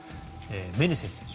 メネセス選手